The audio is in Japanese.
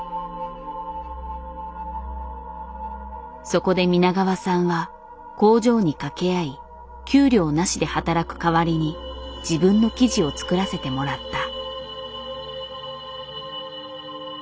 そこで皆川さんは工場に掛け合い給料なしで働く代わりに自分の生地を作らせてもらった。